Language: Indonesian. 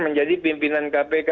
menjadi pimpinan kpk